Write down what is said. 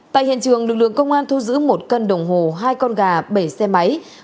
tại hiện trường lực lượng công an thu giữ một cân đồng hồ hai con gà bảy xe máy